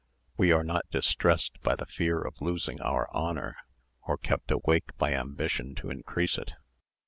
We are not distressed by the fear of losing our honour, or kept awake by ambition to increase it.